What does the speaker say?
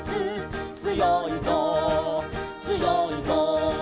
「つよいぞつよいぞ」